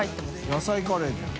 野菜カレーじゃん。